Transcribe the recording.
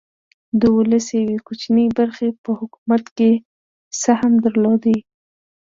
د ولس یوې کوچنۍ برخې په حکومت کې سهم درلود.